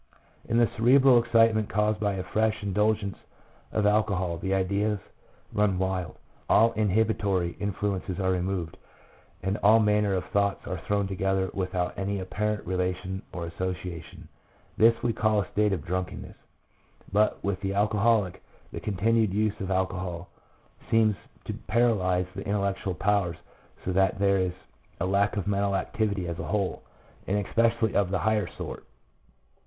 In the cerebral excitement caused by a fresh in dulgence of alcohol the ideas run wild, all inhibitory influences are removed, and all manner of thoughts are thrown together without any apparent relation or association. This we call a state of drunkenness ; but with the alcoholic the continued use of alcohol seems to paralyse the intellectual powers so that there is a lack of mental activity as a whole, and especially of the higher sort.